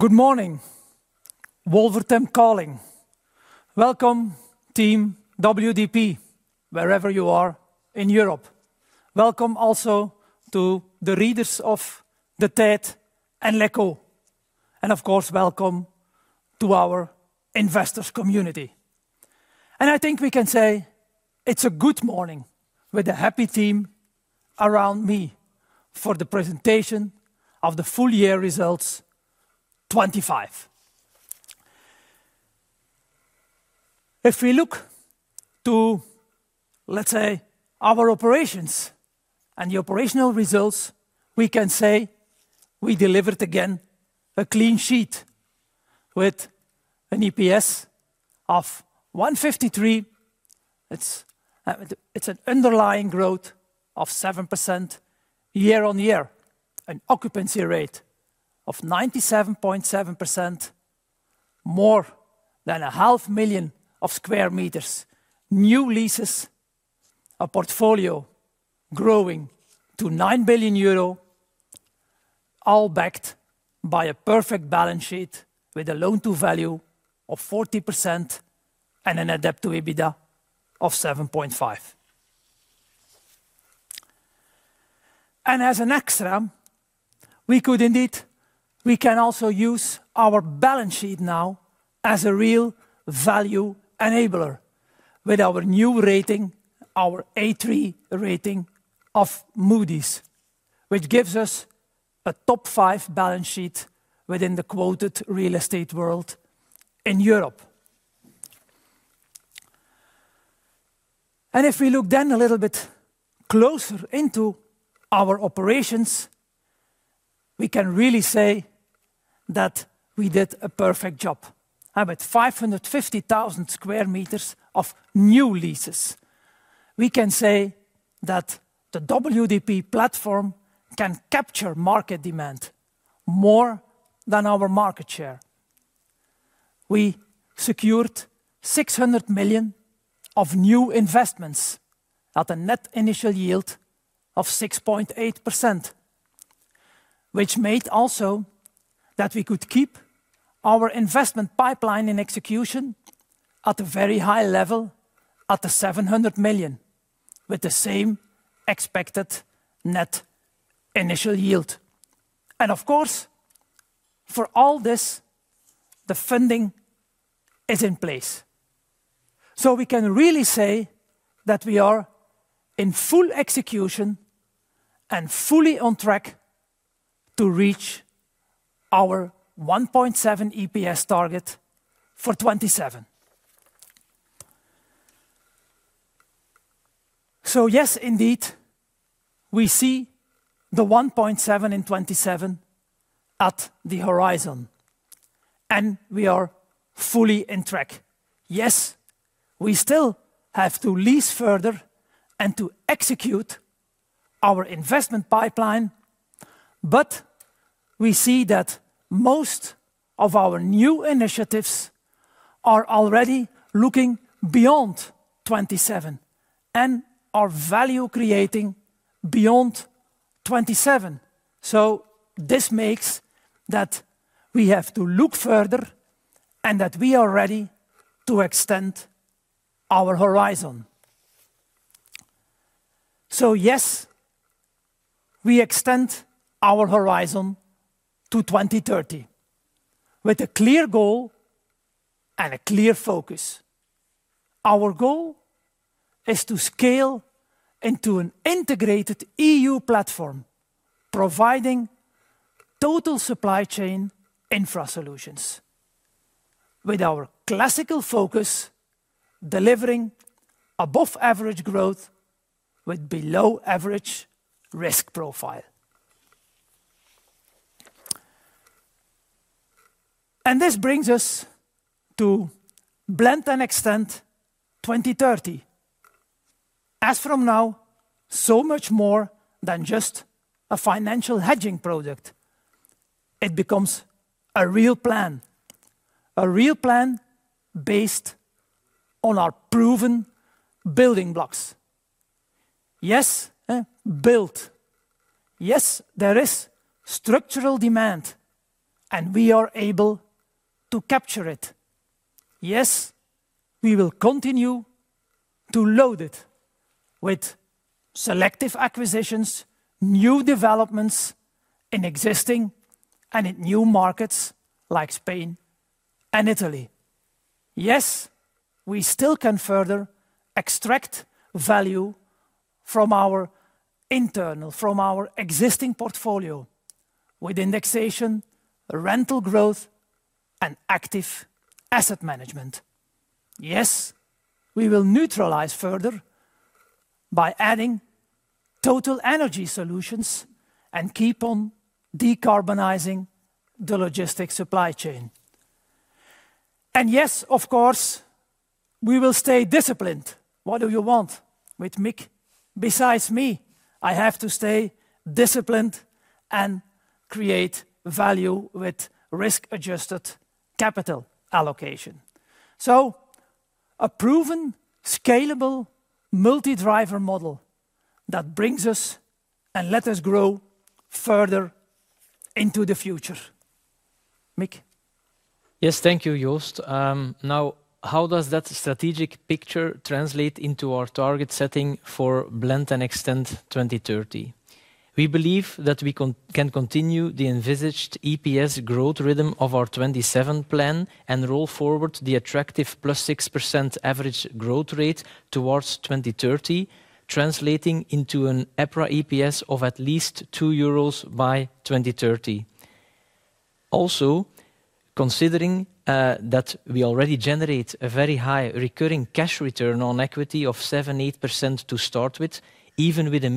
Good morning, Wolvertem calling. Welcome, Team WDP, wherever you are in Europe. Welcome also to the readers of De Tijd and L'Echo, and of course, welcome to our investors community. I think we can say it's a good morning with a happy team around me for the presentation of the full year results 2025. If we look to, let's say, our operations and the operational results, we can say we delivered again a clean sheet with an EPS of 1.53. It's an underlying growth of 7% year-on-year, an occupancy rate of 97.7%, more than 500,000 square meters new leases, a portfolio growing to 9 billion euro, all backed by a perfect balance sheet with a loan-to-value of 40% and a net debt to EBITDA of 7.5. And as an extra, we could indeed... We can also use our balance sheet now as a real value enabler with our new rating, our A3 rating of Moody's, which gives us a top five balance sheet within the quoted real estate world in Europe. And if we look then a little bit closer into our operations, we can really say that we did a perfect job. How about 550,000 square meters of new leases? We can say that the WDP platform can capture market demand more than our market share. We secured 600 million of new investments at a net initial yield of 6.8%, which made also that we could keep our investment pipeline in execution at a very high level, at the 700 million, with the same expected net initial yield. And of course, for all this, the funding is in place. So we can really say that we are in full execution and fully on track to reach our 1.7 EPS target for 2027. So yes, indeed, we see the 1.7 in 2027 at the horizon, and we are fully on track. Yes, we still have to lease further and to execute our investment pipeline, but we see that most of our new initiatives are already looking beyond 2027 and are value creating beyond 2027. So this makes that we have to look further and that we are ready to extend our horizon. So yes, we extend our horizon to 2030 with a clear goal and a clear focus. Our goal is to scale into an integrated EU platform, providing total supply chain infra solutions with our classical focus, delivering above average growth with below average risk profile. This brings us to Blend and Extend 2030. As from now, so much more than just a financial hedging project, it becomes a real plan. A real plan based on our proven building blocks. Yes, build. Yes, there is structural demand, and we are able to capture it. Yes, we will continue to load it with selective acquisitions, new developments in existing and in new markets like Spain and Italy. Yes, we still can further extract value from our internal, from our existing portfolio with indexation, rental growth, and active asset management. Yes, we will neutralize further by adding total energy solutions and keep on decarbonizing the logistics supply chain. And yes, of course, we will stay disciplined. What do you want with Mick? Besides me, I have to stay disciplined and create value with risk-adjusted capital allocation. So-... A proven, scalable, multi-driver model that brings us and let us grow further into the future. Mick? Yes, thank you, Joost. Now, how does that strategic picture translate into our target setting for Blend and Extend 2030? We believe that we can continue the envisaged EPS growth rhythm of our 2027 plan, and roll forward the attractive +6% average growth rate towards 2030, translating into an EPRA EPS of at least 2 euros by 2030. Also, considering that we already generate a very high recurring cash return on equity of 7%-8% to start with, even with a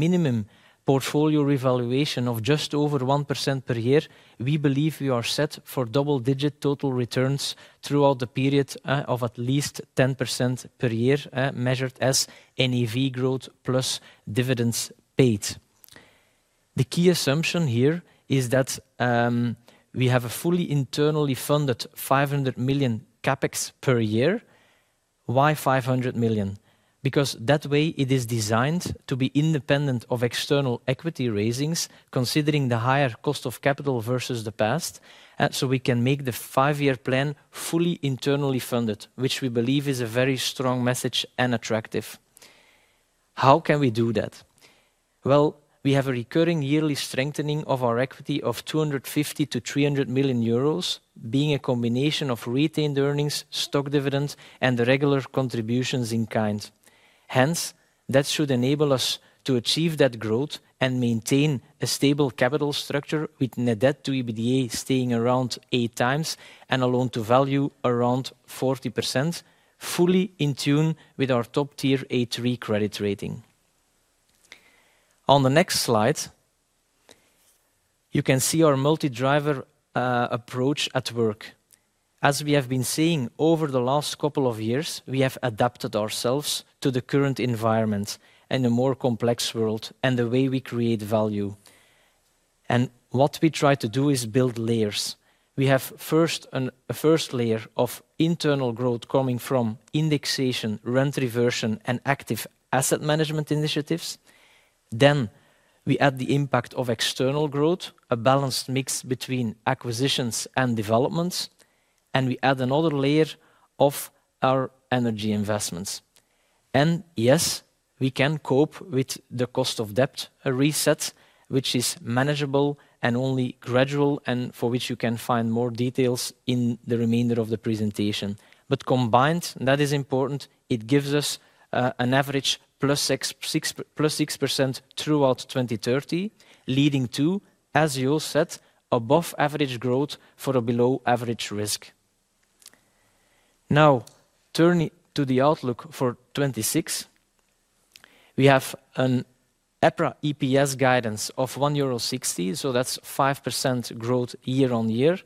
minimum portfolio revaluation of just over 1% per year, we believe we are set for double-digit total returns throughout the period of at least 10% per year, measured as NAV growth plus dividends paid. The key assumption here is that we have a fully internally funded 500 million CapEx per year. Why 500 million? Because that way it is designed to be independent of external equity raisings, considering the higher cost of capital versus the past. So we can make the five-year plan fully internally funded, which we believe is a very strong message and attractive. How can we do that? Well, we have a recurring yearly strengthening of our equity of 250 million-300 million euros, being a combination of retained earnings, stock dividends, and the regular contributions in kind. Hence, that should enable us to achieve that growth and maintain a stable capital structure, with net debt to EBITDA staying around 8x and a loan-to-value around 40%, fully in tune with our top-tier A3 credit rating. On the next slide, you can see our multi-driver approach at work. As we have been seeing over the last couple of years, we have adapted ourselves to the current environment and a more complex world, and the way we create value. And what we try to do is build layers. We have first a first layer of internal growth coming from indexation, rent reversion, and active asset management initiatives. Then, we add the impact of external growth, a balanced mix between acquisitions and developments, and we add another layer of our energy investments. And yes, we can cope with the cost of debt, a reset, which is manageable and only gradual, and for which you can find more details in the remainder of the presentation. But combined, that is important, it gives us an average +6, 6, +6% throughout 2030, leading to, as Joost said, above average growth for a below average risk. Now, turning to the outlook for 2026, we have an EPRA EPS guidance of 1.60 euro, so that's 5% growth year-on-year,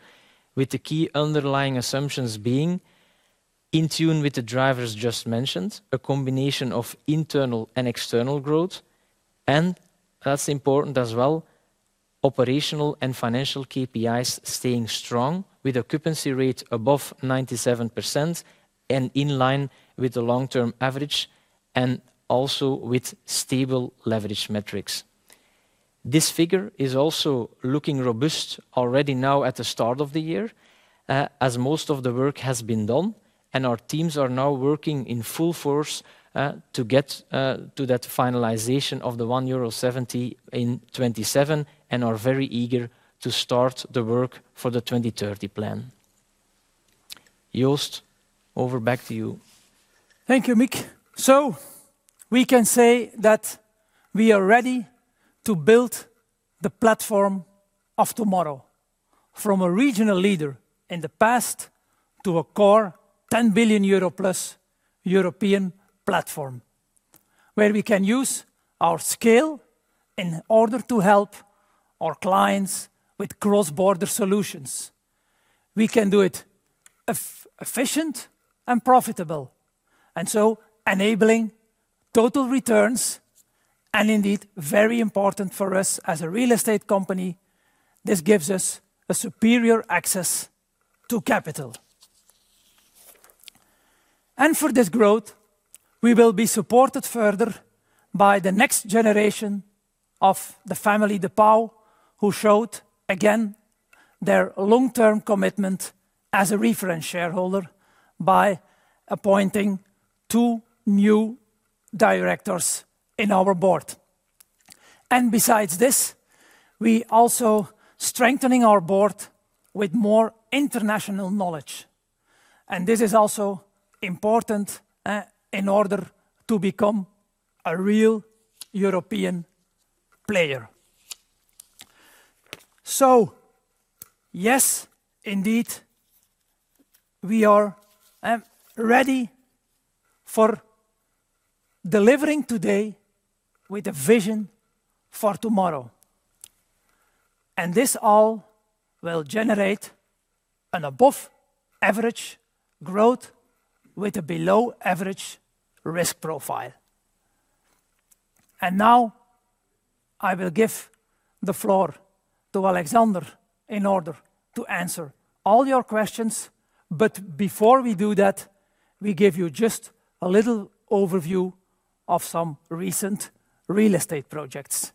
with the key underlying assumptions being in tune with the drivers just mentioned, a combination of internal and external growth, and that's important as well, operational and financial KPIs staying strong, with occupancy rate above 97% and in line with the long-term average, and also with stable leverage metrics. This figure is also looking robust already now at the start of the year, as most of the work has been done, and our teams are now working in full force, to get to that finalization of the 1.70 euro in 2027 and are very eager to start the work for the 2030 plan. Joost, over back to you. Thank you, Mick. So we can say that we are ready to build the platform of tomorrow from a regional leader in the past to a core 10 billion euro+ European platform, where we can use our scale in order to help our clients with cross-border solutions. We can do it efficient and profitable, and so enabling total returns, and indeed very important for us as a real estate company, this gives us a superior access to capital. For this growth, we will be supported further by the next generation of the family De Pauw, who showed again their long-term commitment as a reference shareholder by appointing two new directors in our board. Besides this, we also strengthening our board with more international knowledge, and this is also important, in order to become a real European player. So yes, indeed, we are ready for delivering today with a vision for tomorrow. This all will generate an above-average growth with a below-average risk profile... and now I will give the floor to Alexander in order to answer all your questions. Before we do that, we give you just a little overview of some recent real estate projects.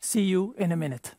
See you in a minute.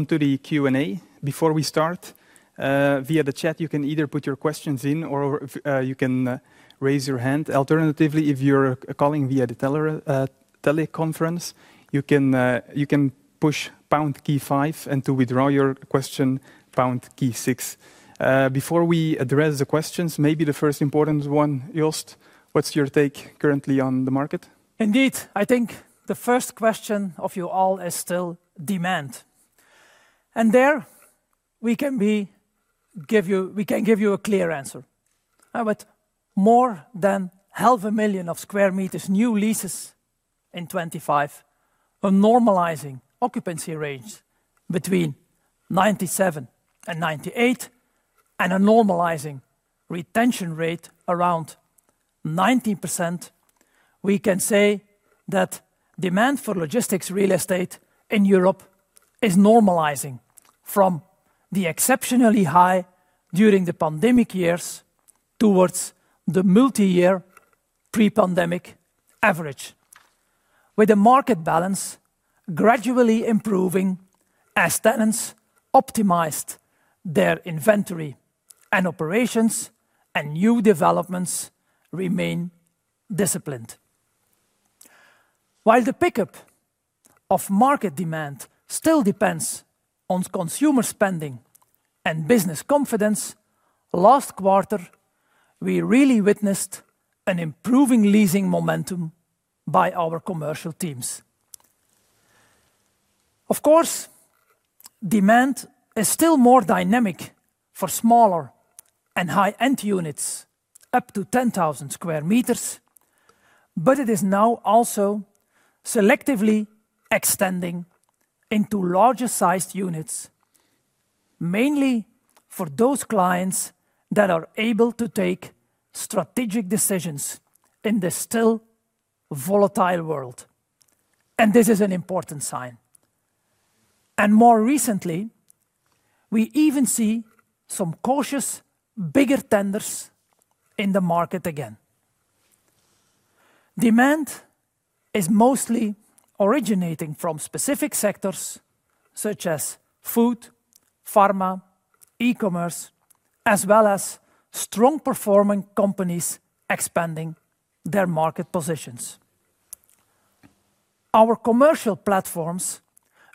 Welcome to the Q&A. Before we start, via the chat, you can either put your questions in or if you can raise your hand. Alternatively, if you're calling via the telephone teleconference, you can push pound key five, and to withdraw your question, pound key six. Before we address the questions, maybe the first important one, Joost, what's your take currently on the market? Indeed, I think the first question of you all is still demand, and there we can give you a clear answer. With more than 500,000 sq m of new leases in 2025, a normalizing occupancy range between 97% and 98%, and a normalizing retention rate around 90%, we can say that demand for logistics real estate in Europe is normalizing from the exceptionally high during the pandemic years towards the multi-year pre-pandemic average. With the market balance gradually improving as tenants optimized their inventory and operations and new developments remain disciplined. While the pickup of market demand still depends on consumer spending and business confidence, last quarter, we really witnessed an improving leasing momentum by our commercial teams. Of course, demand is still more dynamic for smaller and high-end units up to 10,000 square meters, but it is now also selectively extending into larger sized units, mainly for those clients that are able to take strategic decisions in this still volatile world, and this is an important sign. More recently, we even see some cautious, bigger tenders in the market again. Demand is mostly originating from specific sectors such as food, pharma, e-commerce, as well as strong performing companies expanding their market positions. Our commercial platforms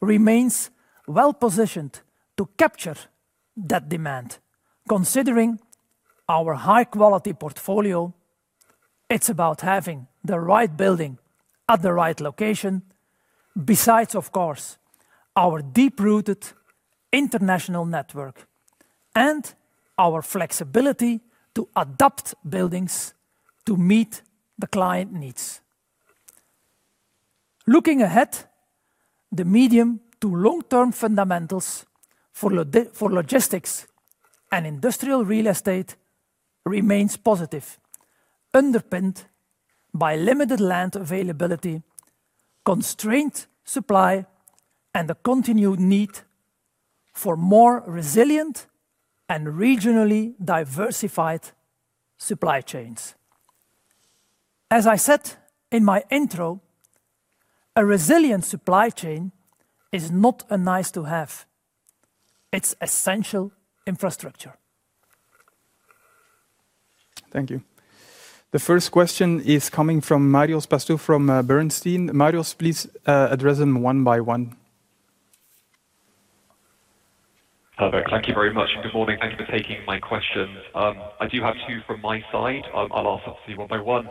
remains well-positioned to capture that demand. Considering our high-quality portfolio, it's about having the right building at the right location, besides, of course, our deep-rooted international network and our flexibility to adapt buildings to meet the client needs. Looking ahead, the medium to long-term fundamentals for logistics and industrial real estate remains positive, underpinned by limited land availability, constrained supply, and the continued need for more resilient and regionally diversified supply chains. As I said in my intro, a resilient supply chain is not a nice-to-have. It's essential infrastructure. Thank you. The first question is coming from Marios Pastou from Bernstein. Marios, please, address them one by one. Perfect. Thank you very much. Good morning. Thank you for taking my question. I do have two from my side. I'll ask obviously one by one.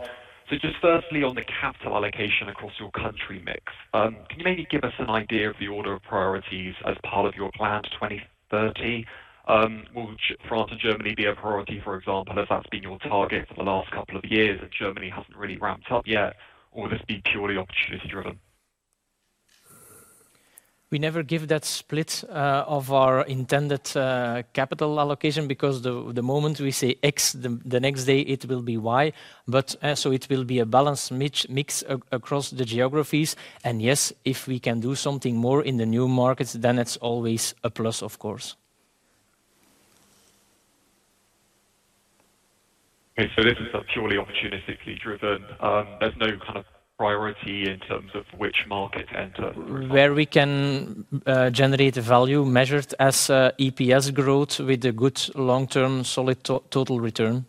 So just firstly, on the capital allocation across your country mix, can you maybe give us an idea of the order of priorities as part of your plan to 2030? Will France and Germany be a priority, for example, as that's been your target for the last couple of years, and Germany hasn't really ramped up yet, or will this be purely opportunistically driven? We never give that split of our intended capital allocation, because the moment we say X, the next day it will be Y. But so it will be a balanced mix across the geographies. And yes, if we can do something more in the new markets, then it's always a plus, of course. Okay. So this is purely opportunistically driven. There's no kind of priority in terms of which market to enter? Where we can generate a value measured as EPS growth with a good long-term, solid total return.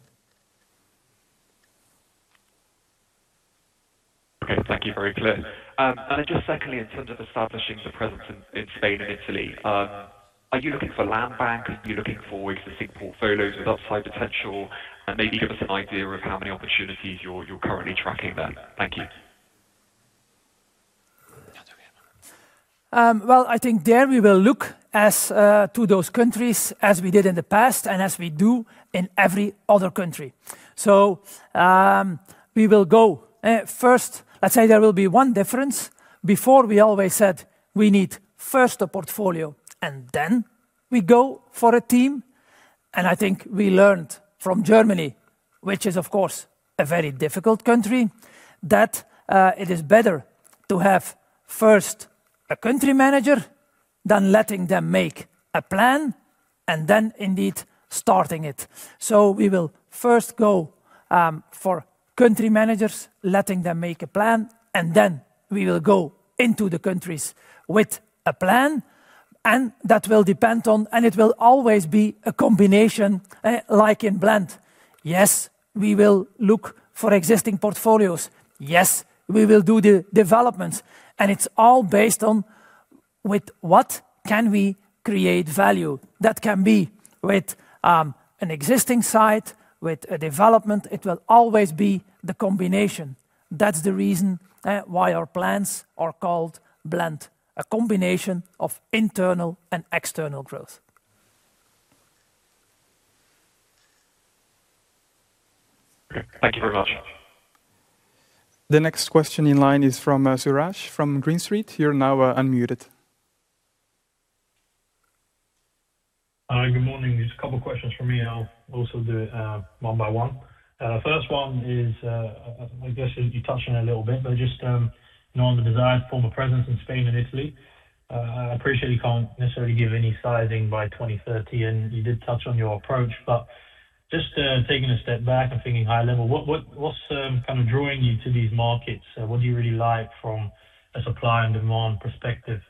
Okay, thank you. Very clear. And then just secondly, in terms of establishing the presence in Spain and Italy, are you looking for land banks? Are you looking for existing portfolios with upside potential? And maybe give us an idea of how many opportunities you're currently tracking there. Thank you. Well, I think there we will look as to those countries as we did in the past and as we do in every other country. So, we will go. First, let's say there will be one difference. Before, we always said, "We need first a portfolio, and then we go for a team." And I think we learned from Germany, which is, of course, a very difficult country, that it is better to have first a country manager than letting them make a plan, and then indeed starting it. So we will first go for country managers, letting them make a plan, and then we will go into the countries with a plan, and that will depend on and it will always be a combination like in Blend. Yes, we will look for existing portfolios. Yes, we will do the developments, and it's all based on, with what can we create value? That can be with, an existing site, with a development. It will always be the combination. That's the reason, why our plans are called Blend, a combination of internal and external growth. Okay. Thank you very much. The next question in line is from Suraj from Green Street. You're now unmuted. Hi, good morning. Just a couple questions from me, and I'll also do it one by one. First one is, I guess you touched on it a little bit, but just, you know, on the desired form of presence in Spain and Italy, I appreciate you can't necessarily give any sizing by 2030, and you did touch on your approach, but just, taking a step back and thinking high level, what's kind of drawing you to these markets? What do you really like from a supply and demand perspective?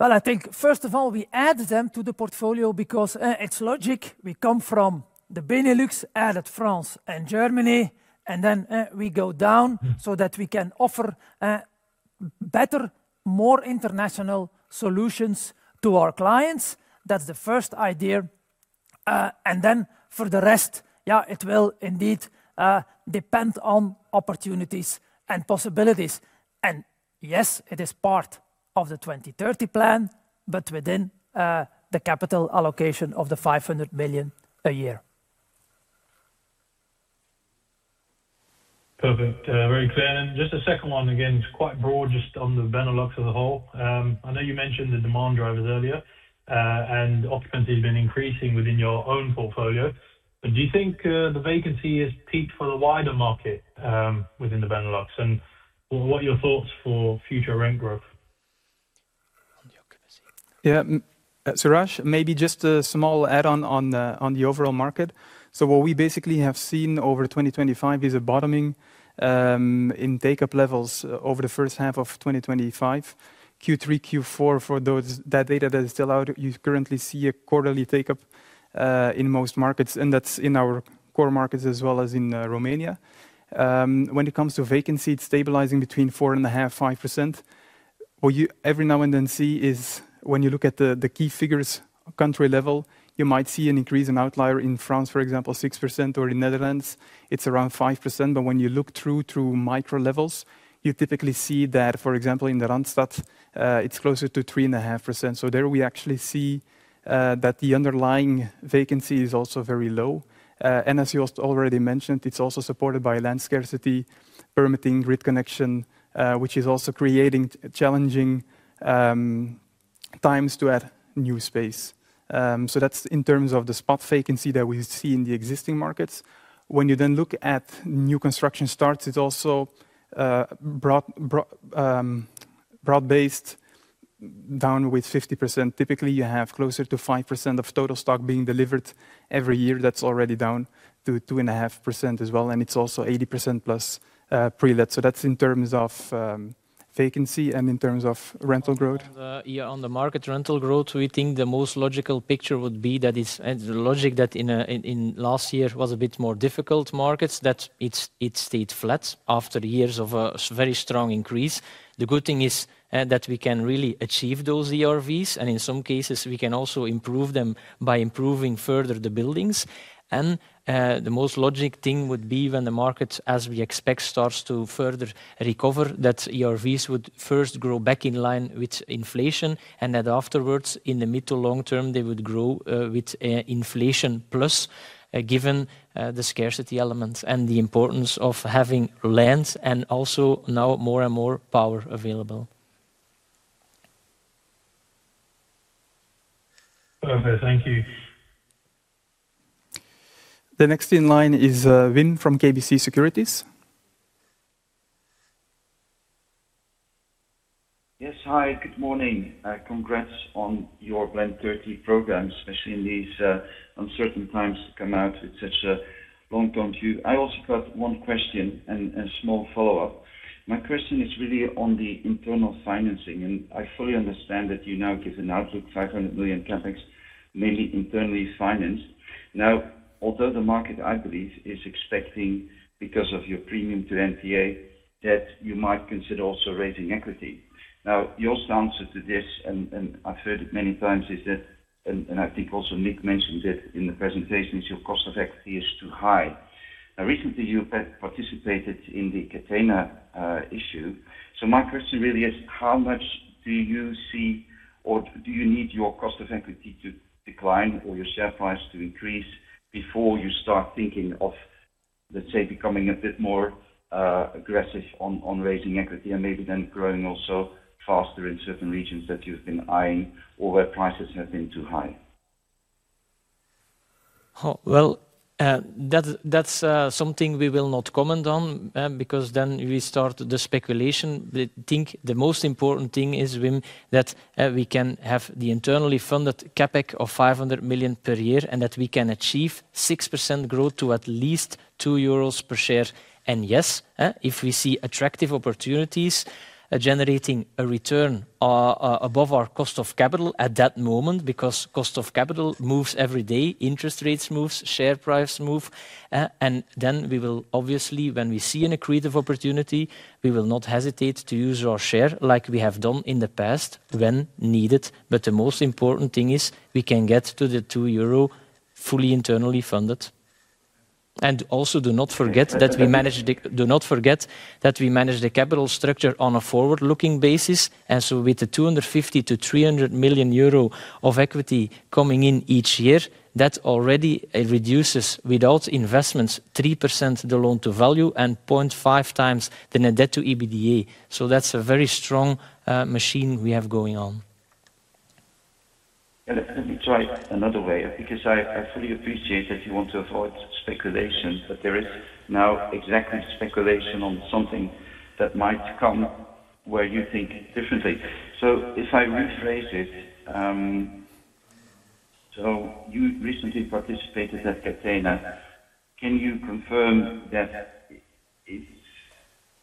Well, I think first of all, we add them to the portfolio because it's logic. We come from the Benelux, added France and Germany, and then we go down- Mm. So that we can offer better, more international solutions to our clients. That's the first idea. And then for the rest, yeah, it will indeed depend on opportunities and possibilities. And yes, it is part of the 2030 plan, but within the capital allocation of 500 million a year. Perfect. Very clear. Then just a second one, again, it's quite broad, just on the Benelux as a whole. I know you mentioned the demand drivers earlier, and occupancy has been increasing within your own portfolio, but do you think the vacancy has peaked for the wider market within the Benelux? What are your thoughts for future rent growth? On the occupancy. Yeah, Suraj, maybe just a small add-on on the overall market. So what we basically have seen over 2025 is a bottoming in take-up levels over the first half of 2025. Q3, Q4, for those, that data that is still out, you currently see a quarterly take-up in most markets, and that's in our core markets as well as in Romania. When it comes to vacancy, it's stabilizing between 4.5% and 5%. What you every now and then see is when you look at the key figures country level, you might see an increase in outlier. In France, for example, 6%, or in Netherlands, it's around 5%. But when you look through micro levels, you typically see that, for example, in the Randstad, it's closer to 3.5%. So there we actually see that the underlying vacancy is also very low. And as you also already mentioned, it's also supported by land scarcity, permitting grid connection, which is also creating challenging times to add new space. So that's in terms of the spot vacancy that we see in the existing markets. When you then look at new construction starts, it's also broad-based down with 50%. Typically, you have closer to 5% of total stock being delivered every year. That's already down to 2.5% as well, and it's also 80%+ pre-let. So that's in terms of vacancy and in terms of rental growth? On the market rental growth, we think the most logical picture would be that it's the logic that in last year was a bit more difficult markets, that it stayed flat after years of a very strong increase. The good thing is that we can really achieve those ERVs, and in some cases we can also improve them by improving further the buildings. And the most logic thing would be when the market, as we expect, starts to further recover, that ERVs would first grow back in line with inflation, and that afterwards, in the mid to long term, they would grow with inflation plus, given the scarcity elements and the importance of having lands and also now more and more power available. Okay, thank you. The next in line is, Wim from KBC Securities. Yes, hi, good morning. Congrats on your Blend 2030 programs, especially in these uncertain times to come out with such a long-term view. I also got one question and a small follow-up. My question is really on the internal financing, and I fully understand that you now give an outlook, 500 million CapEx, mainly internally financed. Now, although the market, I believe, is expecting because of your premium to NPA, that you might consider also raising equity. Now, your answer to this, and, and I've heard it many times, is that... And, and I think also Mick mentioned it in the presentation, is your cost of equity is too high. Now, recently, you've had participated in the Catena issue. So my question really is: How much do you see, or do you need your cost of equity to decline or your share price to increase before you start thinking of, let's say, becoming a bit more aggressive on raising equity and maybe then growing also faster in certain regions that you've been eyeing or where prices have been too high? Oh, well, that's something we will not comment on, because then we start the speculation. The most important thing is, Wim, that we can have the internally funded CapEx of 500 million per year, and that we can achieve 6% growth to at least 2 euros per share. And yes, if we see attractive opportunities generating a return above our cost of capital at that moment, because cost of capital moves every day, interest rates moves, share price move, and then we will obviously, when we see an accretive opportunity, we will not hesitate to use our share like we have done in the past when needed. But the most important thing is we can get to the 2 euro fully internally funded. Also do not forget that we manage the capital structure on a forward-looking basis, and so with the 250 million-300 million euro of equity coming in each year, that already, it reduces, without investments, 3% the loan to value and 0.5x the net debt to EBITDA. So that's a very strong machine we have going on. Yeah, let me try it another way, because I fully appreciate that you want to avoid speculation, but there is now exactly speculation on something that might come where you think differently. So if I rephrase it, So you recently participated at Catena. Can you confirm that it's,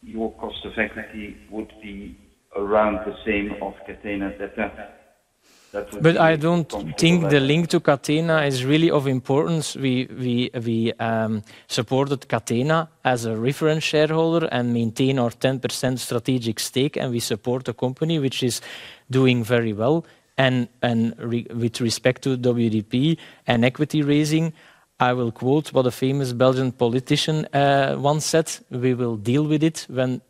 your cost of equity would be around the same of Catena today? That would be- But I don't think the link to Catena is really of importance. We supported Catena as a reference shareholder and maintain our 10% strategic stake, and we support the company, which is doing very well. And with respect to WDP and equity raising, I will quote what a famous Belgian politician once said: "We will deal with it when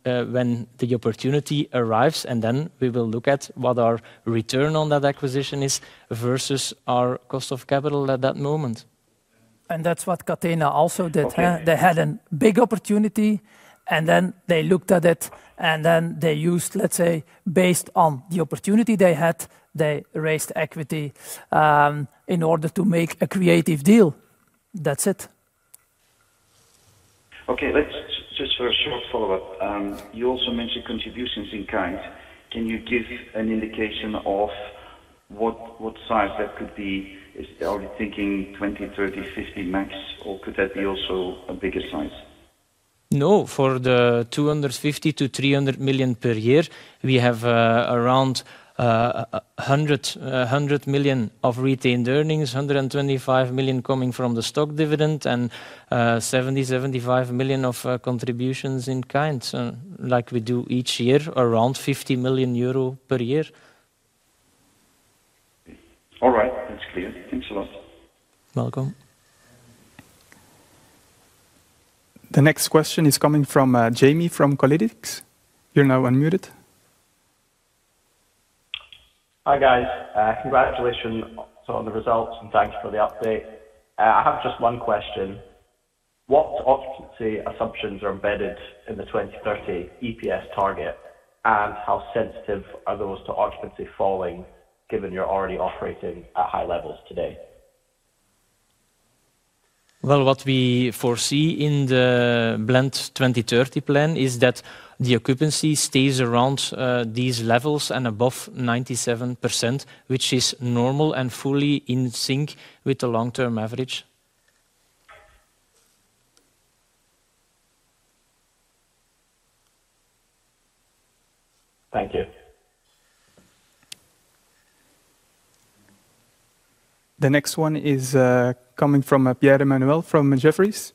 the opportunity arrives," and then we will look at what our return on that acquisition is versus our cost of capital at that moment. That's what Catena also did, huh? Okay. They had a big opportunity, and then they looked at it, and then they used, let's say, based on the opportunity they had, they raised equity in order to make a creative deal. That's it. Okay, let's just for a short follow-up. You also mentioned contributions in kind. Can you give an indication of what size that could be? Are we thinking 20, 30, 50 max, or could that be also a bigger size? No, for the 250 million-300 million per year, we have, around, a hundred million of retained earnings, 125 million coming from the stock dividend, and, 75 million of, contributions in kind. So like we do each year, around 50 million euro per year. All right, that's clear. Thanks a lot. Welcome. The next question is coming from, Jamie from Collinsax. You're now unmuted. Hi, guys. Congratulations on the results, and thanks for the update. I have just one question: What occupancy assumptions are embedded in the 2030 EPS target, and how sensitive are those to occupancy falling, given you're already operating at high levels today? Well, what we foresee in the Blend 2030 plan is that the occupancy stays around these levels and above 97%, which is normal and fully in sync with the long-term average. Thank you. The next one is coming from Pierre-Emmanuel from Jefferies.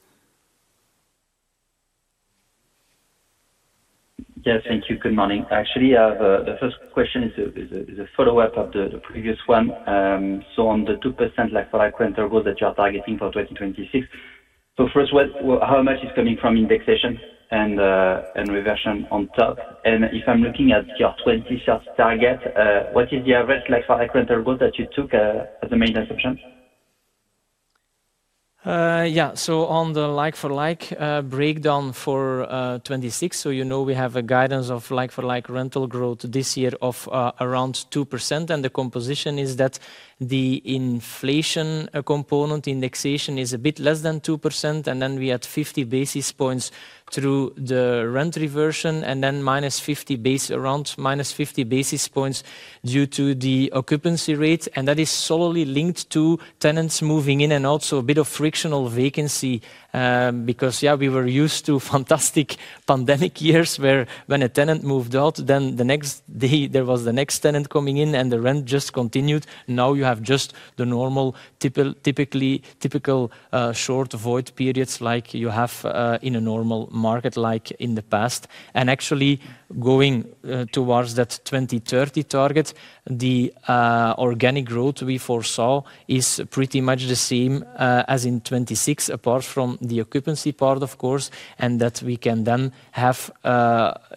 Yes, thank you. Good morning. Actually, I have the first question is a follow-up of the previous one. So on the 2% like for like rental growth that you are targeting for 2026. So first, what, how much is coming from indexation and reversion on top? And if I'm looking at your 2025 target, what is the average like for like rental growth that you took as the main assumption? Yeah. So on the like for like breakdown for 2026, you know, we have a guidance of like for like rental growth this year of around 2%. And the composition is that the inflation component indexation is a bit less than 2%, and then we add 50 basis points through the rent reversion, and then -50 basis points due to the occupancy rate. And that is solely linked to tenants moving in and out, so a bit of frictional vacancy. Because, yeah, we were used to fantastic pandemic years, where when a tenant moved out, then the next day there was the next tenant coming in, and the rent just continued. Now you have just the normal, typically short void periods like you have in a normal market like in the past. And actually, going towards that 2030 target, the organic growth we foresaw is pretty much the same as in 2026, apart from the occupancy part, of course, and that we can then have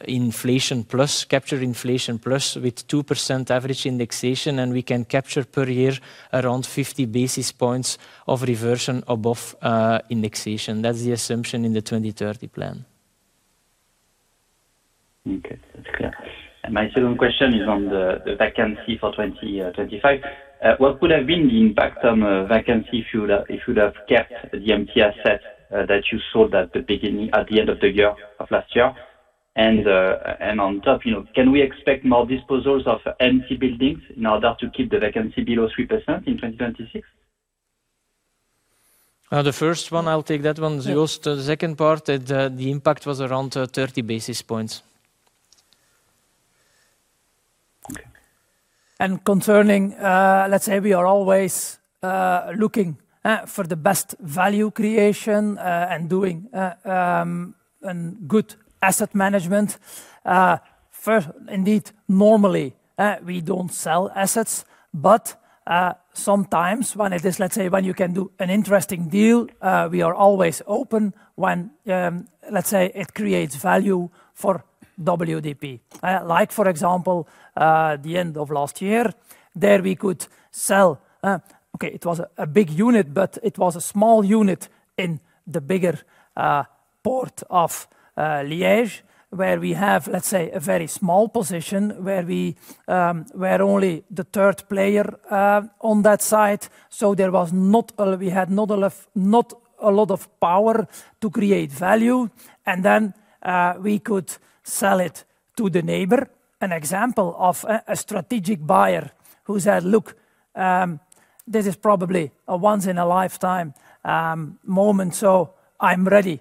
inflation plus capture inflation plus with 2% average indexation, and we can capture per year around 50 basis points of reversion above indexation. That's the assumption in the 2030 plan. Okay, that's clear. My second question is on the vacancy for 25. What would have been the impact on vacancy if you would have kept the empty asset that you sold at the beginning - at the end of the year of last year? And on top, you know, can we expect more disposals of empty buildings in order to keep the vacancy below 3% in 2026? The first one, I'll take that one, Joost. The second part, the impact was around 30 basis points. Concerning, let's say we are always looking for the best value creation and doing good asset management. First, indeed, normally, we don't sell assets, but sometimes when it is, let's say, when you can do an interesting deal, we are always open when, let's say, it creates value for WDP. Like for example, the end of last year, there we could sell. Okay, it was a big unit, but it was a small unit in the bigger Port of Liège, where we have, let's say, a very small position, where we, we're only the third player on that site. So we had not a lot, not a lot of power to create value, and then we could sell it to the neighbor. An example of a strategic buyer who said, "Look, this is probably a once in a lifetime moment, so I'm ready.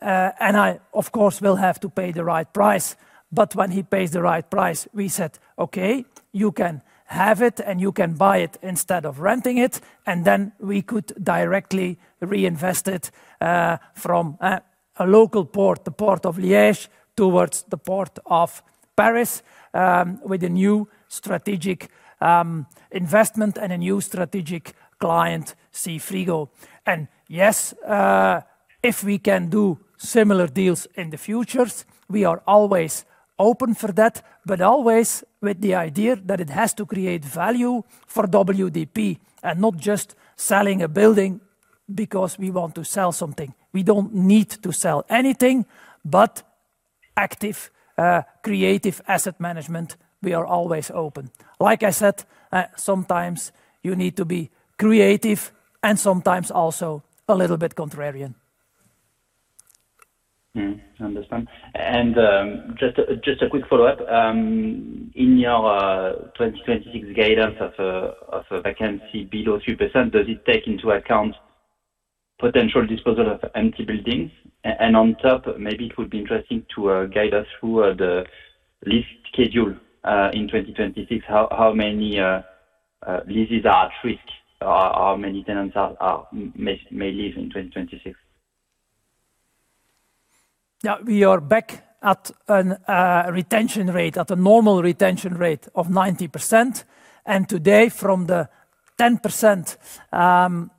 And I, of course, will have to pay the right price." But when he pays the right price, we said, "Okay, you can have it, and you can buy it instead of renting it." And then we could directly reinvest it from a local port, the Port of Liège, towards the Port of Paris, with a new strategic investment and a new strategic client, Seafrigo. And yes, if we can do similar deals in the futures, we are always open for that, but always with the idea that it has to create value for WDP, and not just selling a building because we want to sell something. We don't need to sell anything, but active, creative asset management, we are always open. Like I said, sometimes you need to be creative and sometimes also a little bit contrarian. I understand. And just a quick follow-up. In your 2026 guidance of a vacancy below 3%, does it take into account potential disposal of empty buildings? And on top, maybe it would be interesting to guide us through the lease schedule in 2026. How many leases are at risk, or how many tenants may leave in 2026? Yeah, we are back at a retention rate, at a normal retention rate of 90%. And today, from the 10%,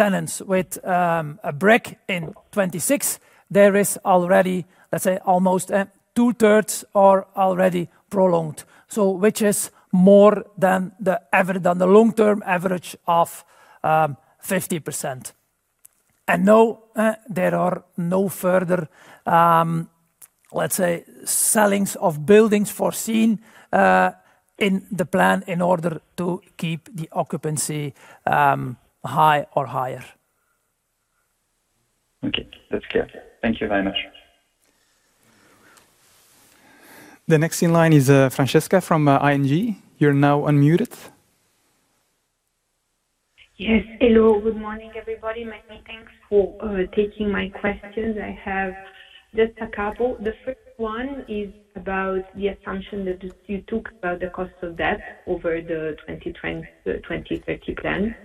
tenants with a break in 2026, there is already, let's say, almost two-thirds are already prolonged. So which is more than the average, than the long-term average of 50%. And no, there are no further, let's say, sales of buildings foreseen in the plan in order to keep the occupancy high or higher. Okay, that's clear. Thank you very much. The next in line is, Francesca from, ING. You're now unmuted. Yes. Hello, good morning, everybody. Many thanks for taking my questions. I have just a couple. The first one is about the assumption that you took about the cost of debt over the 2020-2030 plan.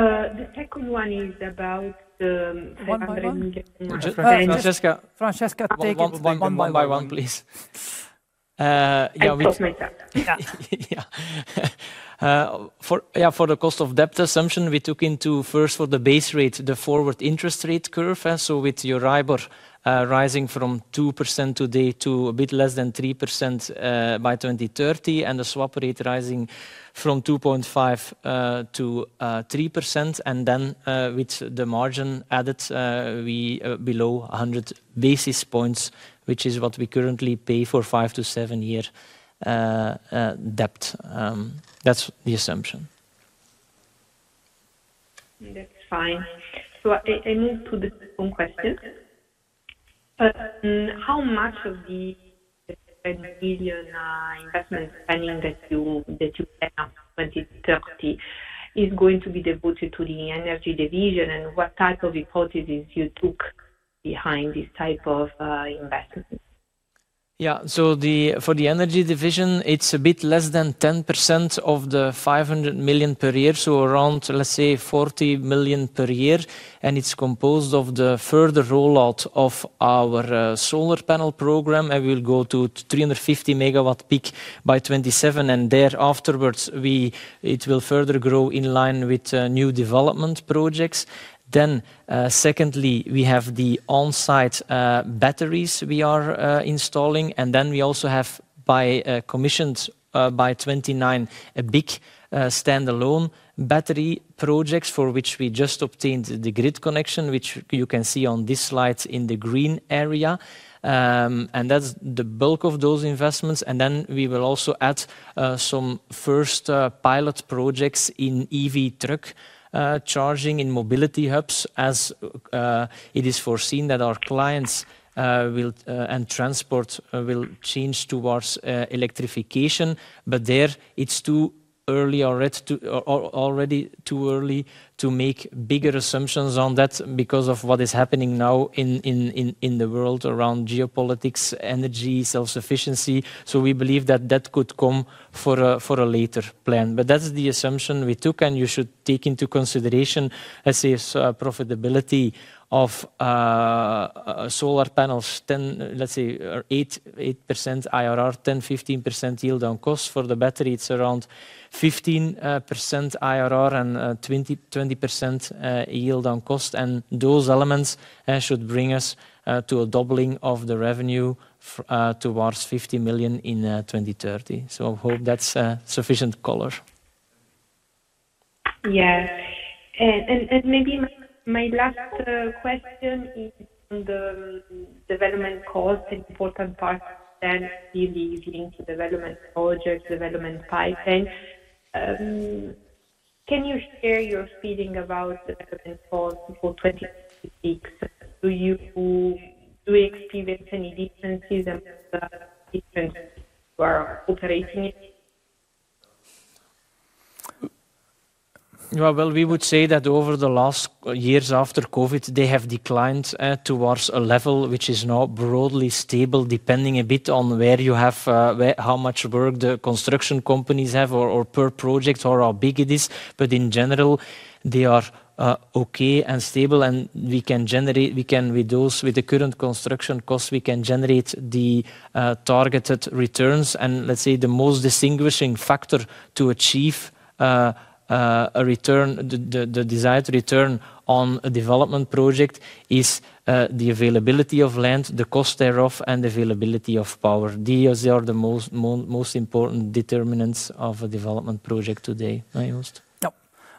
The second one is about the- One by one? Francesca, Francesca, take it one by one. One by one, please. Yeah, we- I promise myself. Yeah. For the cost of debt assumption, we took into first for the base rate, the forward interest rate curve. So with Euribor rising from 2% today to a bit less than 3% by 2030, and the swap rate rising from 2.5 to 3%, and then with the margin added, we below 100 basis points, which is what we currently pay for 5- to 7-year debt. That's the assumption. That's fine. So I move to the second question. How much of the EUR 1 billion investment spending that you have 2030 is going to be devoted to the energy division, and what type of hypotheses you took behind this type of investment? Yeah. So for the energy division, it's a bit less than 10% of the 500 million per year, so around, let's say, 40 million per year, and it's composed of the further rollout of our solar panel program, and we'll go to 350 MW peak by 2027, and thereafter, it will further grow in line with new development projects. Then, secondly, we have the on-site batteries we are installing, and then we also have commissioned by 2029 a big standalone battery projects for which we just obtained the grid connection, which you can see on this slide in the green area. And that's the bulk of those investments. And then we will also add some first pilot projects in EV truck charging in mobility hubs, as it is foreseen that our clients and transport will change towards electrification. But it's already too early to make bigger assumptions on that because of what is happening now in the world around geopolitics, energy, self-sufficiency. So we believe that that could come for a later plan. But that's the assumption we took, and you should take into consideration, let's say, a profitability of solar panels, 10%, let's say, or 8% IRR, 10%-15% yield on cost. For the battery, it's around 15% IRR and 20% yield on cost. Those elements should bring us to a doubling of the revenue towards 50 million in 2030. So I hope that's sufficient color. Yes. And maybe my last question is on the development cost, important part, and really linked to development projects, development pipeline. Can you share your feeling about the development cost for 2026? Do you experience any differences and differences who are operating it? Yeah, well, we would say that over the last years after COVID, they have declined towards a level which is now broadly stable, depending a bit on where you have how much work the construction companies have or per project or how big it is. But in general, they are okay and stable, and we can generate, with those, with the current construction costs, we can generate the targeted returns. And let's say the most distinguishing factor to achieve a return, the desired return on a development project is the availability of land, the cost thereof, and the availability of power. These are the most important determinants of a development project today. Right, Joost? Yep.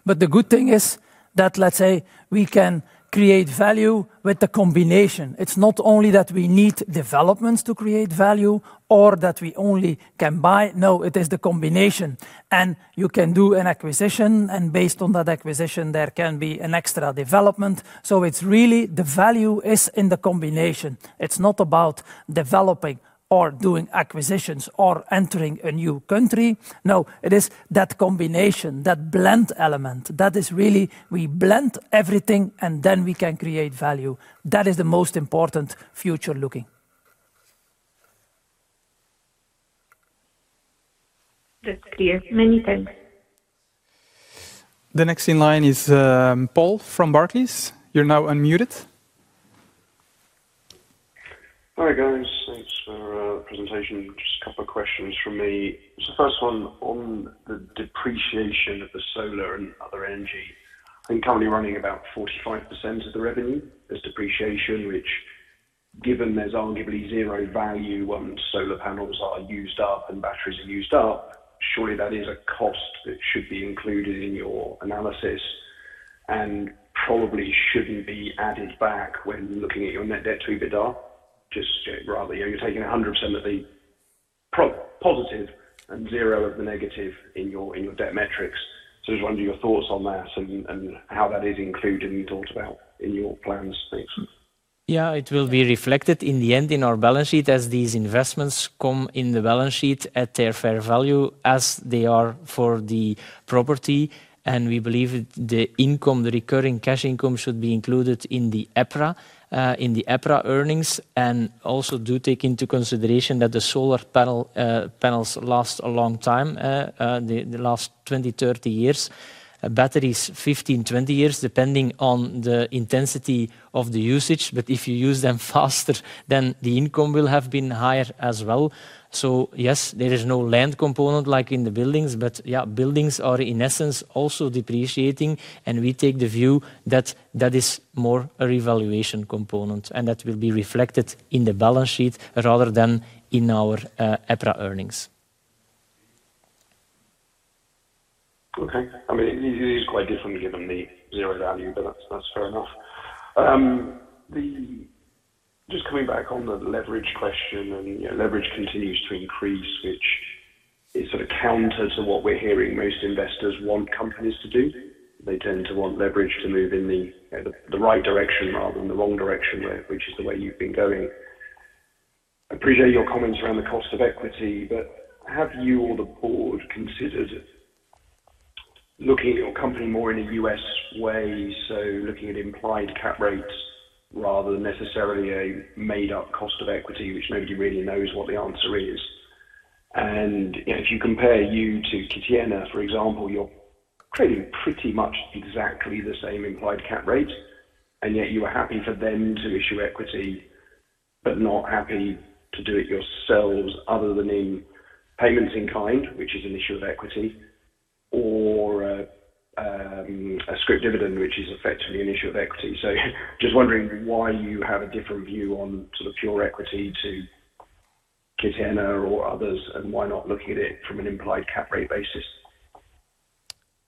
But the good thing is that, let's say, we can create value with the combination. It's not only that we need developments to create value or that we only can buy. No, it is the combination, and you can do an acquisition, and based on that acquisition, there can be an extra development. So it's really the value is in the combination. It's not about developing or doing acquisitions or entering a new country. No, it is that combination, that blend element, that is really we blend everything, and then we can create value. That is the most important future looking. That's clear. Many thanks. The next in line is Paul from Barclays. You're now unmuted. Hi, guys. Thanks for the presentation. Just a couple of questions from me. So the first one on the depreciation of the solar and other energy. I'm currently running about 45% of the revenue as depreciation, which, given there's arguably zero value once solar panels are used up and batteries are used up, surely that is a cost that should be included in your analysis and probably shouldn't be added back when looking at your net debt to EBITDA. Just rather, you know, you're taking 100% of the positive and zero of the negative in your debt metrics. So just wonder your thoughts on that and how that is included and thought about in your plans? Thanks. Yeah, it will be reflected in the end in our balance sheet as these investments come in the balance sheet at their fair value as they are for the property. And we believe it, the income, the recurring cash income, should be included in the EPRA in the EPRA earnings. And also do take into consideration that the solar panel, panels last a long time, they last 20-30 years. Batteries, 15-20 years, depending on the intensity of the usage, but if you use them faster, then the income will have been higher as well. So yes, there is no land component like in the buildings, but yeah, buildings are, in essence, also depreciating, and we take the view that that is more a revaluation component, and that will be reflected in the balance sheet rather than in our EPRA earnings. Okay. I mean, it is quite different given the zero value, but that's, that's fair enough. Just coming back on the leverage question, and, you know, leverage continues to increase, which is sort of counter to what we're hearing most investors want companies to do. They tend to want leverage to move in the right direction rather than the wrong direction, which is the way you've been going. I appreciate your comments around the cost of equity, but have you or the board considered looking at your company more in a U.S. way, so looking at implied cap rates rather than necessarily a made-up cost of equity, which nobody really knows what the answer is? You know, if you compare you to Catena, for example, you're creating pretty much exactly the same implied cap rate, and yet you are happy for them to issue equity, but not happy to do it yourselves other than in payments in kind, which is an issue of equity, or a scrip dividend, which is effectively an issue of equity. So just wondering why you have a different view on sort of pure equity to Catena or others, and why not looking at it from an implied cap rate basis?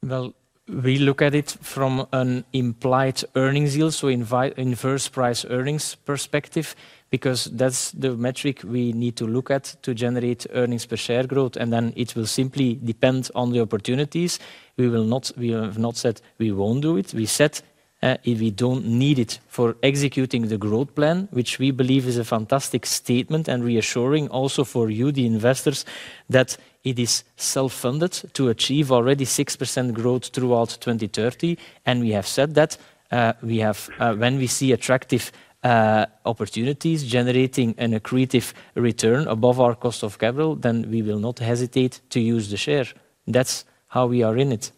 Well, we look at it from an implied earnings yield, so inverse price earnings perspective, because that's the metric we need to look at to generate earnings per share growth, and then it will simply depend on the opportunities. We have not said we won't do it. We said, if we don't need it for executing the growth plan, which we believe is a fantastic statement and reassuring also for you, the investors, that it is self-funded to achieve already 6% growth throughout 2030. And we have said that, we have... When we see attractive opportunities generating an accretive return above our cost of capital, then we will not hesitate to use the share. That's how we are in it.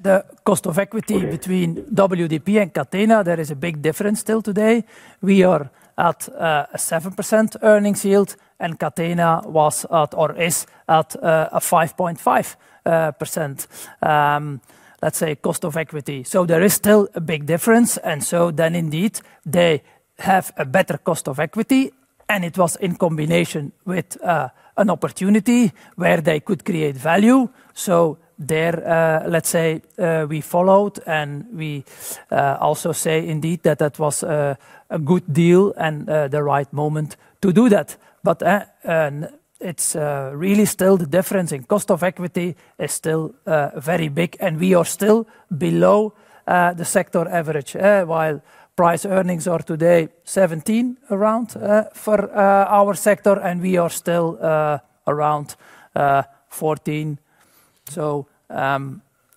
The cost of equity- Great. Between WDP and Catena, there is a big difference still today. We are at a 7% earnings yield, and Catena was at, or is at, a 5.5%, let's say, cost of equity. So there is still a big difference. And so then indeed, they have a better cost of equity, and it was in combination with an opportunity where they could create value. So there, let's say, we followed, and we also say indeed, that that was a good deal and the right moment to do that. But, and it's really still the difference in cost of equity is still very big, and we are still below the sector average. While price earnings are today around 17 for our sector, and we are still around 14.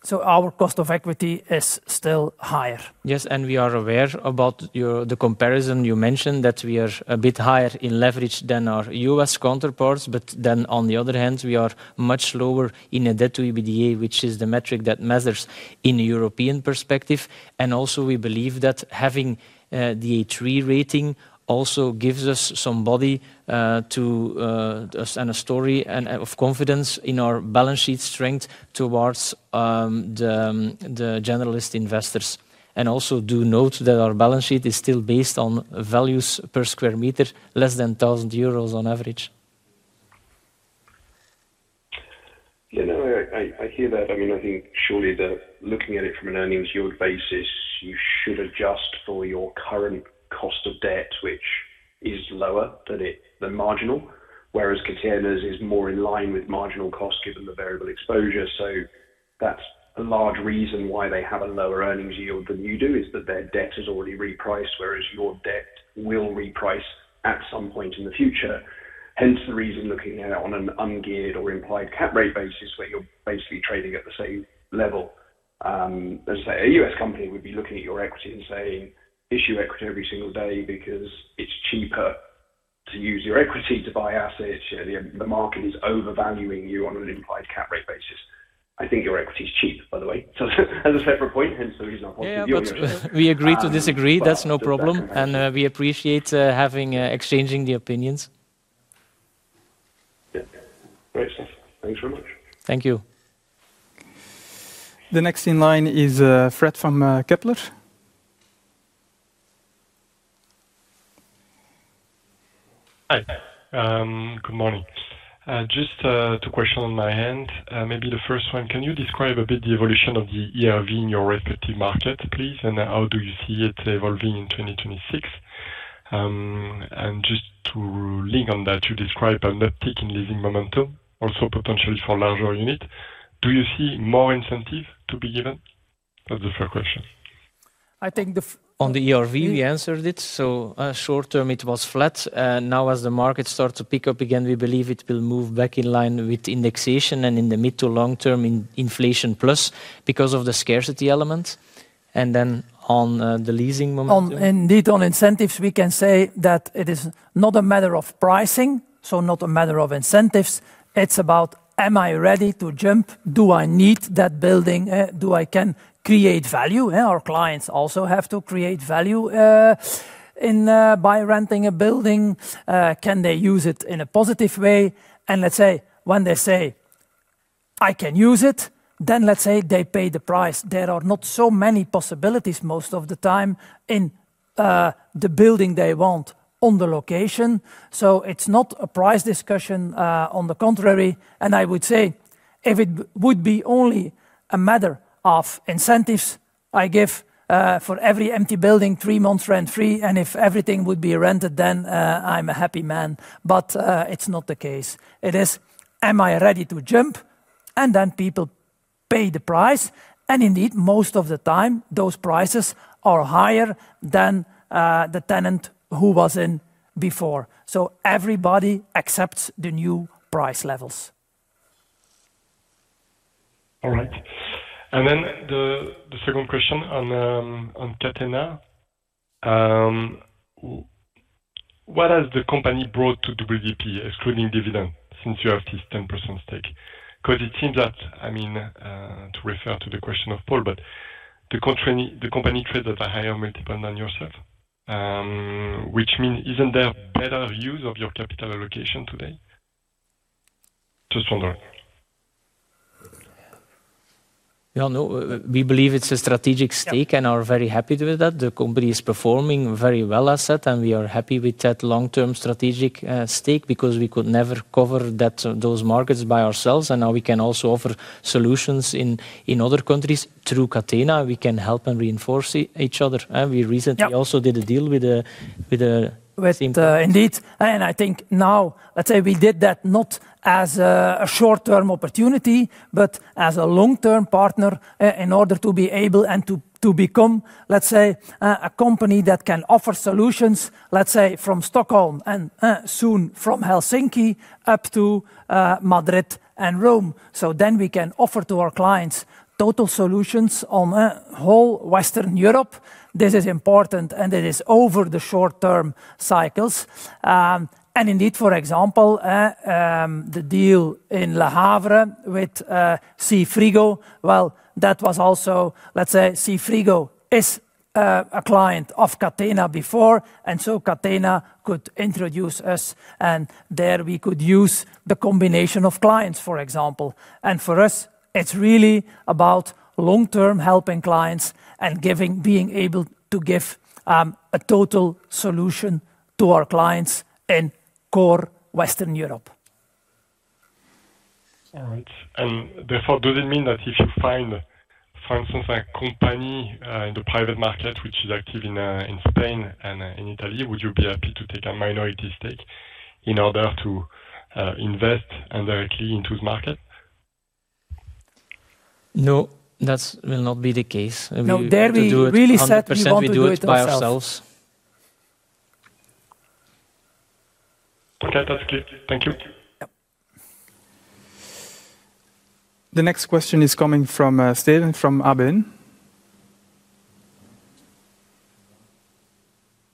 So, our cost of equity is still higher. Yes, and we are aware about your, the comparison you mentioned, that we are a bit higher in leverage than our U.S. counterparts, but then on the other hand, we are much lower in a debt to EBITDA, which is the metric that matters in a European perspective. And also, we believe that having the A3 rating also gives us some body and a story of confidence in our balance sheet strength towards the generalist investors. And also do note that our balance sheet is still based on values per square meter, less than 1,000 euros on average. You know, I hear that. I mean, I think surely that looking at it from an earnings yield basis, you should adjust for your current cost of debt, which is lower than it, than marginal. Whereas Catena's is more in line with marginal cost given the variable exposure. So that's a large reason why they have a lower earnings yield than you do, is that their debt is already repriced, whereas your debt will reprice at some point in the future. Hence, the reason looking at it on an ungeared or implied cap rate basis, where you're basically trading at the same level. Let's say a U.S. company would be looking at your equity and saying, "Issue equity every single day because it's cheaper to use your equity to buy assets. The market is overvaluing you on an implied cap rate basis." I think your equity is cheap, by the way, so as a separate point, hence the reason I'm- Yeah, but we agree to disagree. That's no problem. Well- We appreciate having exchanging the opinions. Yeah. Great stuff. Thanks very much. Thank you. The next in line is Fred from Kepler. Hi, good morning. Just, two question on my hand. Maybe the first one, can you describe a bit the evolution of the ERV in your respective market, please? And how do you see it evolving in 2026? And just to link on that, you describe an uptick in leasing momentum, also potentially for larger unit. Do you see more incentive to be given? That's the first question. I think the f- On the ERV, we answered it. So, short term, it was flat. Now, as the market starts to pick up again, we believe it will move back in line with indexation and in the mid to long term, in inflation plus because of the scarcity element. And then on, the leasing moment- Indeed, on incentives, we can say that it is not a matter of pricing, so not a matter of incentives. It's about, am I ready to jump? Do I need that building? do I can create value? Our clients also have to create value, by renting a building. can they use it in a positive way? And let's say, when they say, "I can use it," then let's say they pay the price. There are not so many possibilities, most of the time, in the building they want on the location. So it's not a price discussion, on the contrary, and I would say if it would be only a matter of incentives, I give, for every empty building, three months rent-free, and if everything would be rented, then, I'm a happy man. But, it's not the case. It is. Am I ready to jump? And then people pay the price. And indeed, most of the time, those prices are higher than the tenant who was in before. So everybody accepts the new price levels. All right. And then the second question on Catena. What has the company brought to WDP, excluding dividend, since you have this 10% stake? Because it seems that, I mean, to refer to the question of Paul, but the company trades at a higher multiple than yourself, which means isn't there a better use of your capital allocation today? Just wondering. Yeah, no, we believe it's a strategic stake- Yeah. And are very happy with that. The company is performing very well, I said, and we are happy with that long-term strategic stake, because we could never cover that, those markets by ourselves, and now we can also offer solutions in other countries. Through Catena, we can help and reinforce each other. We recently- Yeah Also did a deal with a- With, indeed, and I think now, let's say we did that not as a short-term opportunity, but as a long-term partner, in order to be able and to become, let's say, a company that can offer solutions, let's say, from Stockholm and, soon from Helsinki up to, Madrid and Rome. So then we can offer to our clients total solutions on whole Western Europe. This is important, and it is over the short-term cycles. Indeed, for example, the deal in Le Havre with Seafrigo, well, that was also... Let's say, Seafrigo is a client of Catena before, and so Catena could introduce us, and there we could use the combination of clients, for example. For us, it's really about long-term helping clients and giving, being able to give a total solution to our clients in core Western Europe. All right. Therefore, does it mean that if you find, for instance, a company in the private market, which is active in Spain and Italy, would you be happy to take a minority stake in order to invest directly into the market? No, that will not be the case. No, there we really said we want to do it ourselves. We do it 100%, we do it by ourselves. Okay, that's clear. Thank you. Yep. The next question is coming from Steven, from ABN.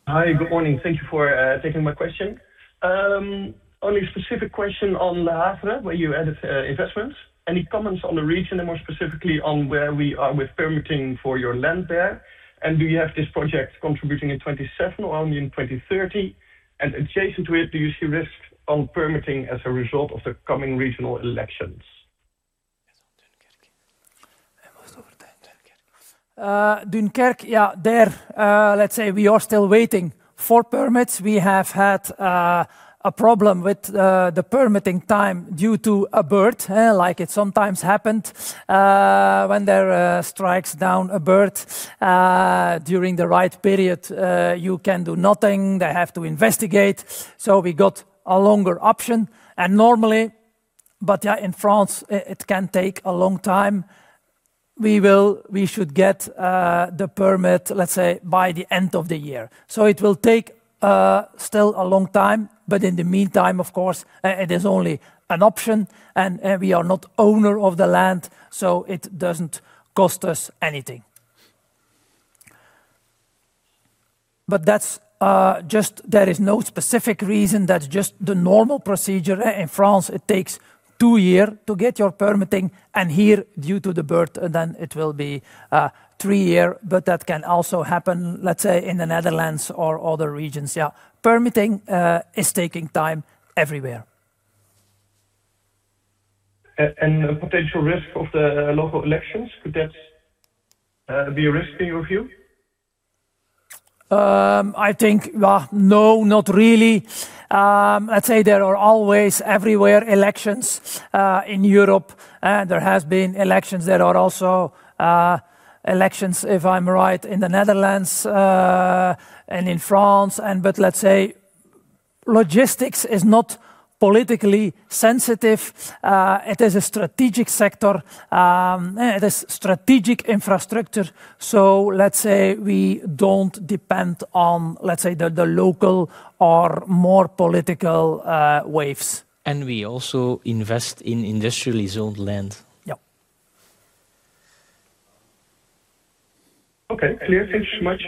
Hi, good morning. Thank you for taking my question. Only a specific question on Le Havre, where you added investments. Any comments on the region, and more specifically, on where we are with permitting for your land there? Do you have this project contributing in 2027 or only in 2030? Adjacent to it, do you see risks on permitting as a result of the coming regional elections? Dunkerque, yeah, there, let's say we are still waiting for permits. We have had a problem with the permitting time due to a bird, like it sometimes happened. When there strikes down a bird during the right period, you can do nothing. They have to investigate. So we got a longer option and normally... But, yeah, in France, it, it can take a long time. We should get the permit, let's say, by the end of the year. So it will take still a long time, but in the meantime, of course, it is only an option, and we are not owner of the land, so it doesn't cost us anything. But that's just there is no specific reason, that's just the normal procedure. In France, it takes two year to get your permitting, and here, due to the bird, then it will be three year, but that can also happen, let's say, in the Netherlands or other regions. Yeah, permitting is taking time everywhere. The potential risk of the local elections, could that be a risk in your view? I think, well, no, not really. I'd say there are always everywhere elections in Europe, and there has been elections. There are also elections, if I'm right, in the Netherlands and in France. But let's say logistics is not politically sensitive. It is a strategic sector, yeah, it is strategic infrastructure. So let's say we don't depend on, let's say, the local or more political waves. We also invest in industrially zoned land. Yeah. Okay, clear. Thanks so much.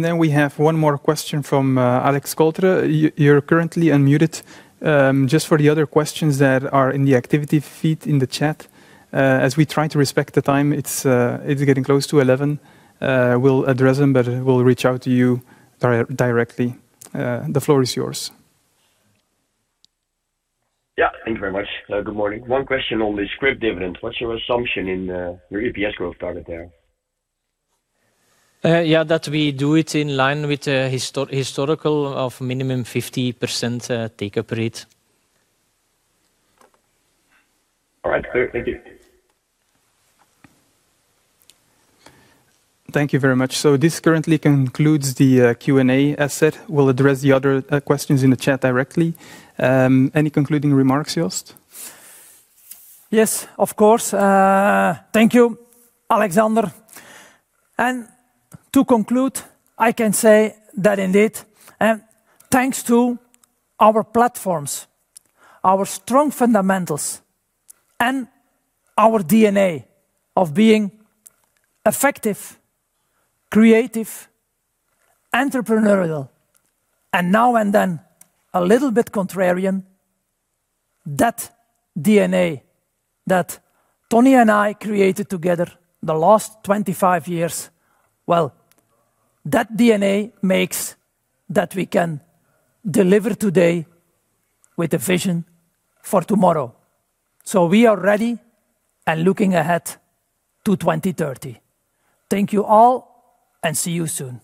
Then we have one more question from Alex Koller. You're currently unmuted. Just for the other questions that are in the activity feed in the chat, as we try to respect the time, it's getting close to eleven. We'll address them, but we'll reach out to you directly. The floor is yours. Yeah. Thank you very much. Good morning. One question on the scrip dividend. What's your assumption in your EPS growth target there? Yeah, that we do it in line with the historical of minimum 50% take-up rate. All right. Clear. Thank you. Thank you very much. So this currently concludes the Q&A session. We'll address the other questions in the chat directly. Any concluding remarks, Joost? Yes, of course. Thank you, Alexander. To conclude, I can say that indeed, and thanks to our platforms, our strong fundamentals, and our DNA of being effective, creative, entrepreneurial, and now and then a little bit contrarian. That DNA that Tony and I created together the last 25 years, well, that DNA makes that we can deliver today with a vision for tomorrow. So we are ready and looking ahead to 2030. Thank you all, and see you soon.